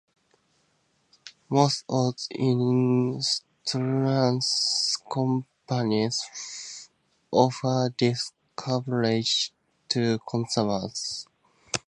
Most auto insurance companies offer this coverage to consumers.